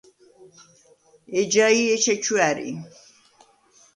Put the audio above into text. ეჯაი̄ ეჩეჩუ ა̈რი.